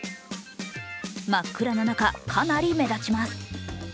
真っ暗な中、かなり目立ちます。